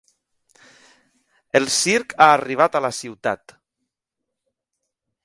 El circ ha arribat a la ciutat!.